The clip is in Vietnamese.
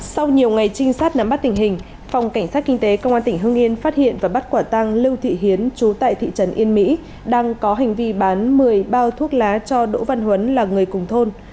sau nhiều ngày trinh sát nắm bắt tình hình phòng cảnh sát kinh tế công an tỉnh hưng yên phát hiện và bắt quả tăng lưu thị hiến chú tại thị trấn yên mỹ đang có hành vi bán một mươi bao thuốc lá cho đỗ văn huấn là người cùng thôn